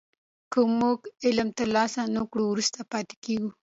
که موږ علم ترلاسه نه کړو وروسته پاتې کېږو.